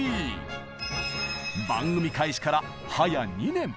番組開始からはや２年！